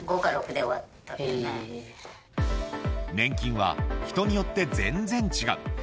年金は人によって全然違う。